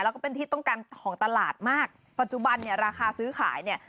แล้วก็เป็นที่ต้องการของตลาดมากปัจจุบันราคาซื้อขาย